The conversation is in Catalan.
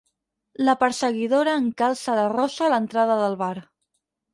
La perseguidora encalça la rossa a l'entrada del bar.